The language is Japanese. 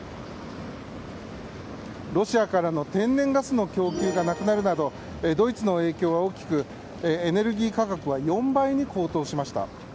ロシアからの天然ガスの供給がなくなるなどドイツの影響は大きくエネルギー価格は４倍に高騰しました。